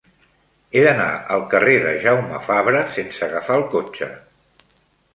He d'anar al carrer de Jaume Fabra sense agafar el cotxe.